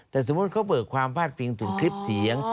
แต่สมมุติเขาเบิกความพาดพิงถึงคลิปเสียง